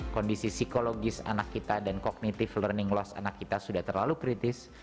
kondisi psikologis anak kita dan kognitif learning loss anak kita sudah terlalu kritis